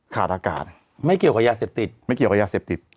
ขาดอากาศไม่เกี่ยวกับยาเสพติดไม่เกี่ยวกับยาเสพติด